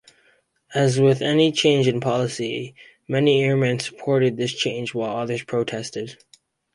As with any change in policy, many Airmen supported this change, while others protested.